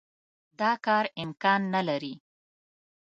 دا کار امکان نه لري.